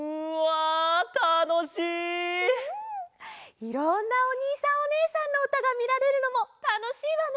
いろんなおにいさんおねえさんのうたがみられるのもたのしいわね！